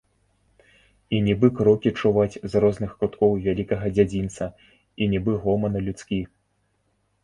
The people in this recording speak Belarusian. І нібы крокі чуваць з розных куткоў вялікага дзядзінца, і нібы гоман людскі.